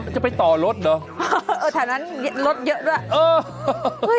จะไปต่อรถเหรอเออแถวนั้นรถเยอะด้วยเออ